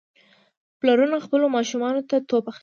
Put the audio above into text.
پلارونه خپلو ماشومانو ته توپ اخلي.